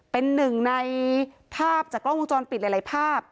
เป็นหนึ่งในภาพจากกล้องวงจรปิดหลายภาพ